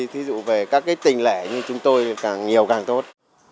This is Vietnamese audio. ví dụ về các tình lẻ như chúng tôi càng nhiều càng tốt